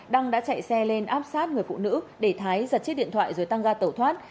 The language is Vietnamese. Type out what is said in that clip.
đăng đã chạy xe lên áp sát người phụ nữ để thái giật chiếc điện thoại rồi tăng ga tẩu thoát